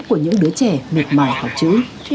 của những đứa trẻ mệt mải học chữ